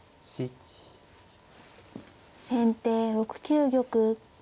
先手６九玉。